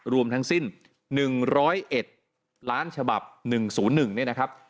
รวมทั้งสิ้น๑๐๑ล้านฉบับ๑๐๑เนี่ยนะครับ